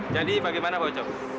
jadi bagaimana pak ucok